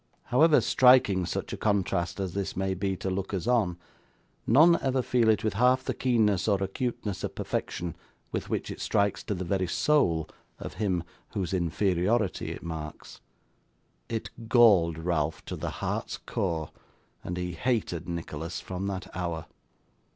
However striking such a contrast as this may be to lookers on, none ever feel it with half the keenness or acuteness of perfection with which it strikes to the very soul of him whose inferiority it marks. It galled Ralph to the heart's core, and he hated Nicholas from that hour.